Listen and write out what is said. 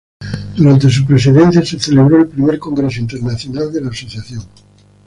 Durante su presidencia se celebró el Primer Congreso Internacional de la Asociación.